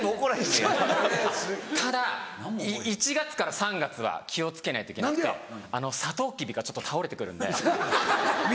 ただ１月から３月は気を付けないといけなくてサトウキビがちょっと倒れて来るんで。